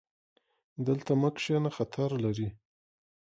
دلته مه کښېنه، خطر لري